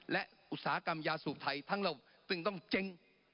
และอุตสาหกรรมยาสูบไทยทั้งเราจึงต้องเจ๊ง